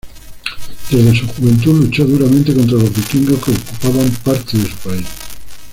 Desde su juventud, luchó duramente contra los vikingos que ocupaban parte de su país.